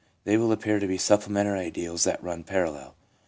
They appear to be supplementary ideals that run parallel.